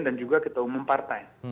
dan juga ketua umum partai